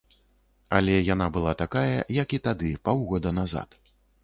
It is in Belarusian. Але яна была такая, як і тады, паўгода назад.